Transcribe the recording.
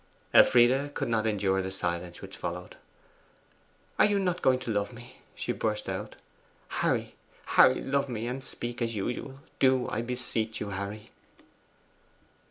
Elfride could not endure the silence which followed. 'Are you not going to love me?' she burst out. 'Harry, Harry, love me, and speak as usual! Do; I beseech you, Harry!